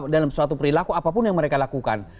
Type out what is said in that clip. dalam suatu perilaku apapun yang mereka lakukan